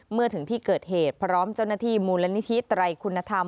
เมื่อถึงที่เกิดเหตุพร้อมเจ้าหน้าที่มูลนิธิไตรคุณธรรม